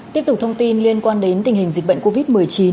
tiếp tục thông tin liên quan đến tình hình dịch bệnh covid một mươi chín